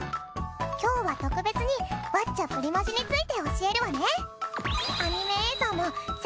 今日は特別に『ワッチャプリマジ！』について教えるわね。